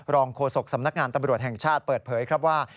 โฆษกสำนักงานตำรวจแห่งชาติเปิดเผยครับว่า